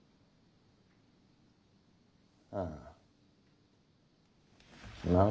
ああ。